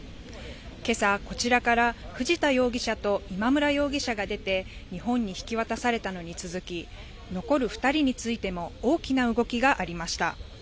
けさ、こちらから藤田容疑者と今村容疑者が出て、日本に引き渡されたのに続き、残る２人についても大きな動きがありました。